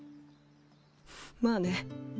まあね。